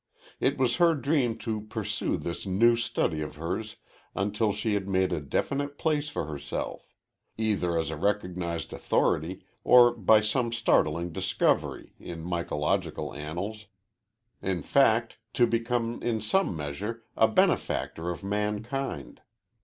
It was her dream to pursue this new study of hers until she had made a definite place for herself, either as a recognized authority or by some startling discovery, in mycological annals in fact, to become in some measure a benefactor of mankind.